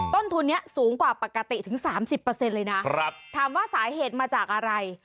ต้นทุนนี้สูงกว่าปกติถึง๓๐เลยนะถามว่าสาเหตุมาจากอะไร